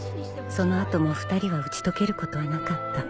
その後も２人は打ち解けることはなかった。